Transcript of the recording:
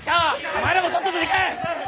お前らもさっさと行け！